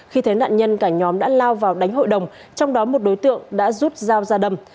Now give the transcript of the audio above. khi thấy nạn nhân cả nhóm đã lao vào đánh hội đồng trong đó một đối tượng đã rút dao ra đâm